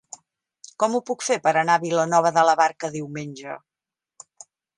Com ho puc fer per anar a Vilanova de la Barca diumenge?